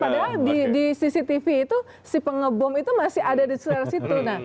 padahal di cctv itu si pengebom itu masih ada di selera situ